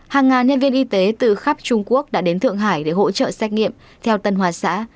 hàng ngàn nhân viên y tế từ khắp trung quốc đã đến thượng hải để hỗ trợ xét nghiệm theo tân hoa xã